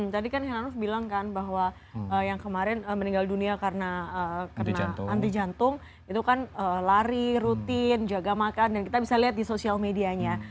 tadi kan heranov bilang kan bahwa yang kemarin meninggal dunia karena kena anti jantung itu kan lari rutin jaga makan dan kita bisa lihat di sosial medianya